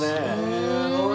すごい！